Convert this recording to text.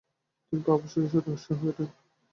তিনি প্রভাবশালী সদস্য হয়ে ওঠেন।